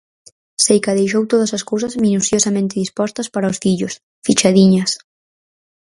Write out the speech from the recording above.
Seica deixou todas as cousas minuciosamente dispostas para os fillos, fichadiñas.